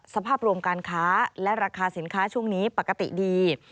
สภาพรวมการค้าและราคาสินค้าช่วงนี้ปกติดี